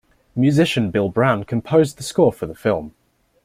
Musician Bill Brown composed the score for the film.